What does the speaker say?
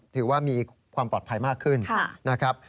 ถือว่ามีความปลอดภัยมากขึ้นนะครับ